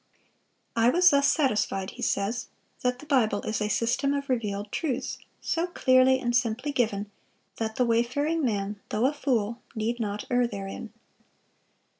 "I was thus satisfied," he says, "that the Bible is a system of revealed truths, so clearly and simply given that the wayfaring man, though a fool, need not err therein."